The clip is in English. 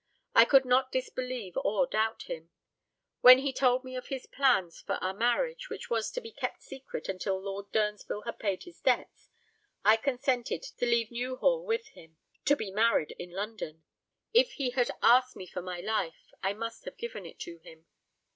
I could not disbelieve or doubt him. When he told me of his plans for our marriage, which was to be kept secret until Lord Durnsville had paid his debts, I consented to leave Newhall with him to be married in London. If he had asked me for my life, I must have given it to him.